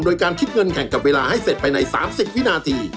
โดยการคิดเงินแข่งกับเวลาให้เสร็จภายใน๓๐วินาที